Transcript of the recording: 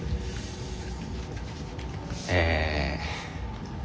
え